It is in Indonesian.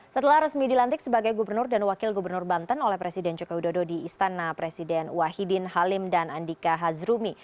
setelah resmi dilantik sebagai gubernur dan wakil gubernur banten oleh presiden joko widodo di istana presiden wahidin halim dan andika hazrumi